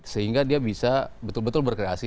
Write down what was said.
sehingga dia bisa betul betul berkreasi